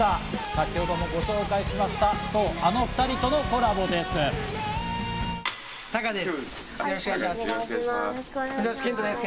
先ほどもご紹介しました、そう、あの２人とのコラボです。